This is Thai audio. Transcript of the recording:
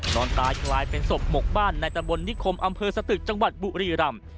นอนตายกลายเป็นศพหมกบ้านในตะบนนิคมอำเภอสตึกจังหวัดบุรีรำ